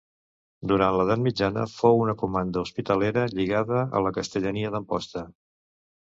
Durant l'edat mitjana fou una comanda hospitalera lligada a la Castellania d'Amposta.